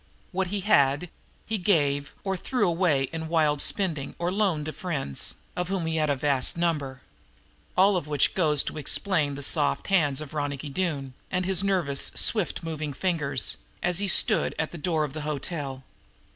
What he had he gave or threw away in wild spending or loaned to friends, of whom he had a vast number. All of which goes to explain the soft hands of Ronicky Doone and his nervous, swift moving fingers, as he stood at the door of the hotel.